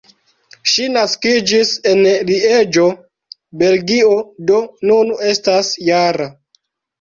Ŝi naskiĝis en Lieĝo, Belgio, do nun estas -jara.